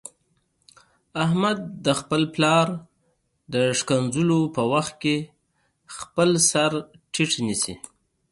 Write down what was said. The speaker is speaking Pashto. احمد د خپل پلار د کنځلو په وخت کې خپل سرټیټ نیسي.